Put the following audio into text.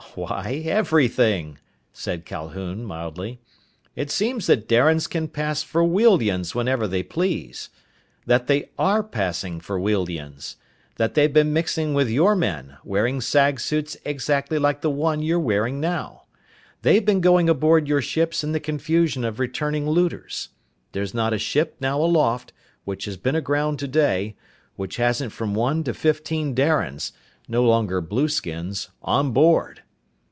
"Why, everything," said Calhoun mildly. "It seems that Darians can pass for Wealdians whenever they please. That they are passing for Wealdians. That they've been mixing with your men, wearing sag suits exactly like the one you're wearing now. They've been going aboard your ships in the confusion of returning looters. There's not a ship now aloft, which has been aground today, which hasn't from one to fifteen Darians no longer blueskins on board."